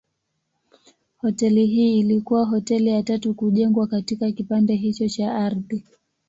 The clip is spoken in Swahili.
Hoteli hii ilikuwa hoteli ya tatu kujengwa katika kipande hicho cha ardhi.